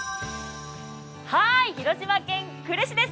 広島県呉市です。